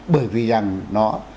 bởi vì rằng nó